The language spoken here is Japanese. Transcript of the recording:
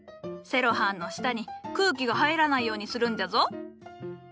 セロハンの下に空気が入らないようにするんじゃぞ。